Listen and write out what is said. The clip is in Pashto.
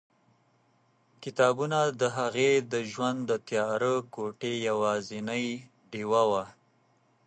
کتابونه د هغې د ژوند د تیاره کوټې یوازینۍ ډېوه وه.